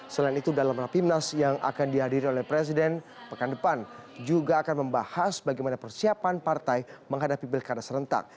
selain itu dalam rapimnas yang akan dihadiri oleh presiden pekan depan juga akan membahas bagaimana persiapan partai menghadapi pilkada serentak